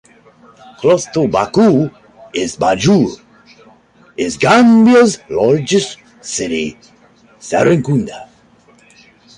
Close to Bakau and Banjul is Gambia's largest city, Serekunda.